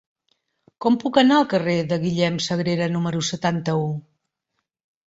Com puc anar al carrer de Guillem Sagrera número setanta-u?